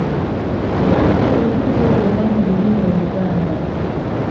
Ddamu ebibuuzo byonna mu lulimi Oluganda.